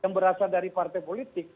yang berasal dari partai politik